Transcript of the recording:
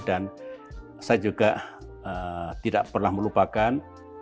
dan saya juga tidak pernah melupakan